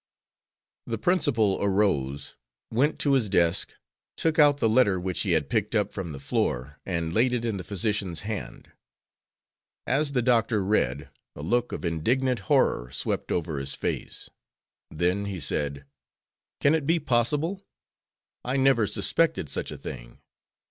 The principal arose, went to his desk, took out the letter which he had picked up from the floor, and laid it in the physician's hand. As the doctor read, a look of indignant horror swept over his face. Then he said: "Can it be possible! I never suspected such a thing.